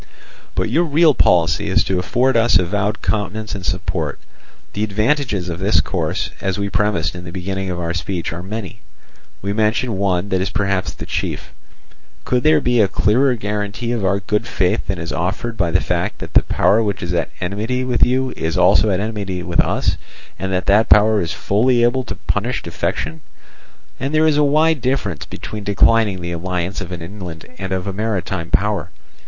"But your real policy is to afford us avowed countenance and support. The advantages of this course, as we premised in the beginning of our speech, are many. We mention one that is perhaps the chief. Could there be a clearer guarantee of our good faith than is offered by the fact that the power which is at enmity with you is also at enmity with us, and that that power is fully able to punish defection? And there is a wide difference between declining the alliance of an inland and of a maritime power.